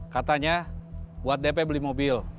katanya buat dp beli mobil